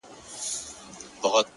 لپاره دې ښار كي په جنگ اوسېږم!!